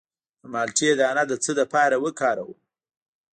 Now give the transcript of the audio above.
د مالټې دانه د څه لپاره وکاروم؟